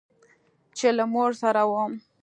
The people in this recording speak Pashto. چې له مور سره وم.